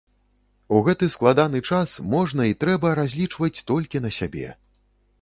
У гэты складаны час можна і трэба разлічваць толькі на сябе.